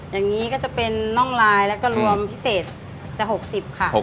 อย่างนี้ก็จะเป็นน่องลายแล้วก็รวมพิเศษจะ๖๐ค่ะ